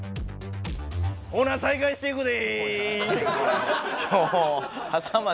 ほな再開していくで！